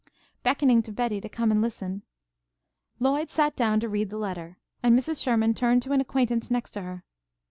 Beckoning to Betty to come and listen, Lloyd sat down to read the letter, and Mrs. Sherman turned to an acquaintance next her.